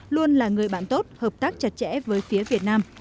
luôn là người bạn tốt hợp tác chặt chẽ với phía việt nam